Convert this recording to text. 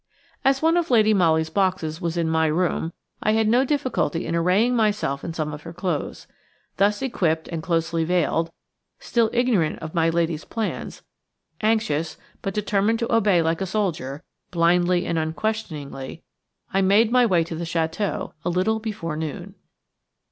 As one of Lady Molly's boxes was in my room, I had no difficulty in arraying myself in some of her clothes. Thus equipped and closely veiled, still ignorant of my lady's plans, anxious, but determined to obey like a soldier, blindly and unquestioningly, I made my way to the château a little before noon.